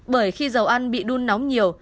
bởi khi dầu ăn bị đun nóng nhiều